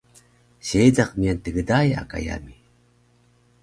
Seediq miyan Tgdaya ka yami